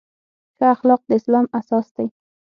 ښه اخلاق د اسلام اساس دی.